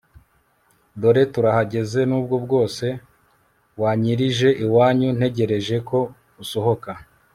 dore turahageze nubwo bwose wanyirije iwanyu ntegereje ko usohoka